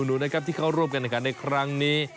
นะครับที่เขาร่วมกันในครั้งนี้